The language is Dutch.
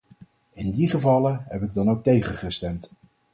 In die gevallen heb ik dan ook tegengestemd.